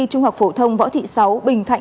trung học phổ thông võ thị sáu bình thạnh